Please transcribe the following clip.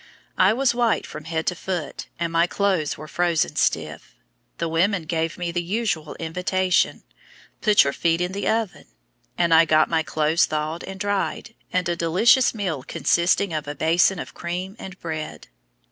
I was white from head to foot, and my clothes were frozen stiff. The women gave me the usual invitation, "Put your feet in the oven"; and I got my clothes thawed and dried, and a delicious meal consisting of a basin of cream and bread.